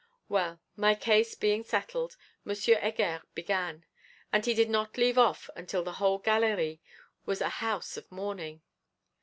Well, my case being settled, M. Heger began: and he did not leave off until the whole Galerie was a house of mourning.